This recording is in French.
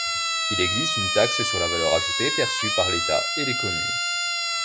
Il existe une Taxe sur la valeur ajoutée perçue par l'État et les communes.